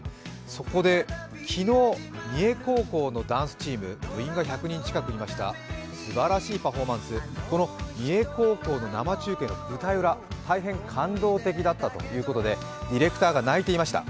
そこで昨日、三重高校のダンスチーム、部員が１００人近くいました、すばらしいパフォーマンス、この三重高校の生中継の舞台裏大変感動的だったということでディレクターが泣いていました。